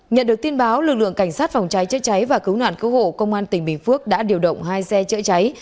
nhận được tin báo lực lượng cảnh sát phòng cháy chữa cháy và cứu nạn cứu hộ công an tỉnh bình phước đã điều động hai xe chữa cháy